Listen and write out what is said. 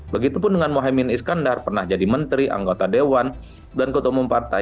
begitupun dengan mohaimin iskandar pernah jadi menteri anggota dewan dan ketua umum partai